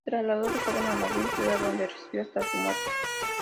Se trasladó de joven a Madrid, ciudad donde residió hasta su muerte.